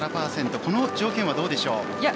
この条件はどうでしょう？